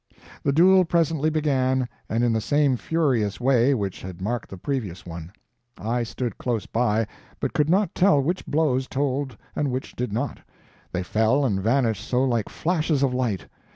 The duel presently began and in the same furious way which had marked the previous one. I stood close by, but could not tell which blows told and which did not, they fell and vanished so like flashes of light.